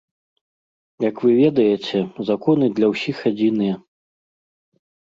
Як вы ведаеце, законы для ўсіх адзіныя.